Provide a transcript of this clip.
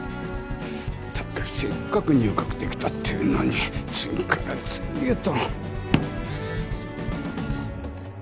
ったくせっかく入閣できたっていうのに次から次へと。